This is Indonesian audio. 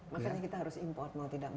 makanya kita harus import mau tidak